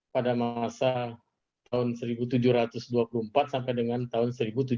pada masa tahun seribu tujuh ratus dua puluh empat sampai dengan tahun seribu tujuh ratus tujuh